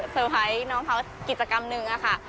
ไพรส์น้องเขากิจกรรมหนึ่งค่ะ